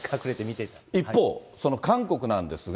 一方、その韓国なんですが。